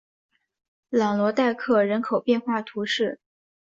朗罗代克人口变化图示